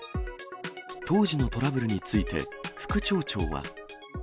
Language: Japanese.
当時のトラブルについて、副町長は。